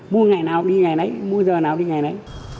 mua ngày nào đi ngày nãy mua giờ nào đi ngày nãy